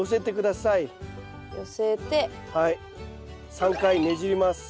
３回ねじります。